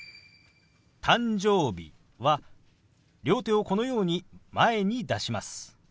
「誕生日」は両手をこのように前に出します。